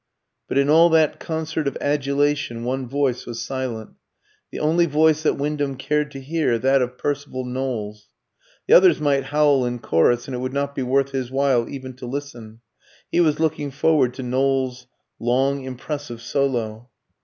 But in all that concert of adulation one voice was silent the only voice that Wyndham cared to hear, that of Percival Knowles. The others might howl in chorus, and it would not be worth his while even to listen; he was looking forward to Knowles's long impressive solo.